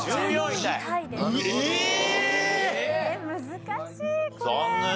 難しいこれ！